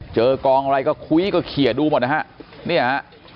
เจอกองอะไรก็คุยก็เคลียร์ดูหมดนะฮะเนี่ยฮะ